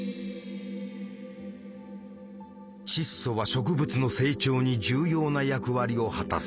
窒素は植物の成長に重要な役割を果たす。